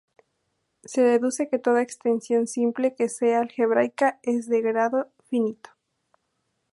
Se deduce que toda extensión simple que sea algebraica es de grado finito.